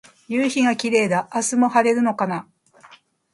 夕陽がキレイだ。明日も晴れるのかな。